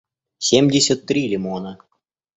семьдесят три лимона